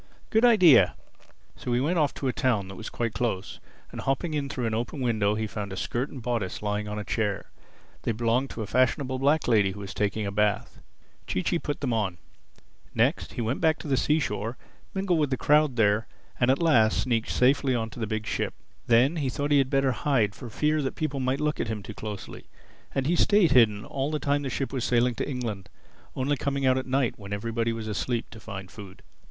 Good idea!" So he went off to a town that was quite close, and hopping in through an open window he found a skirt and bodice lying on a chair. They belonged to a fashionable black lady who was taking a bath. Chee Chee put them on. Next he went back to the seashore, mingled with the crowd there and at last sneaked safely on to the big ship. Then he thought he had better hide, for fear people might look at him too closely. And he stayed hidden all the time the ship was sailing to England—only coming out at night, when everybody was asleep, to find food.